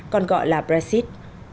còn gọi là brexit